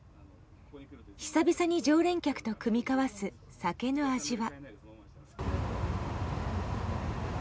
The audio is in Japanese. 久々に常連客と酌み交わす酒の味は。